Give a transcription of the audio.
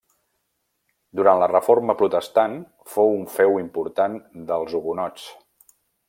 Durant la Reforma protestant fou un feu important dels hugonots.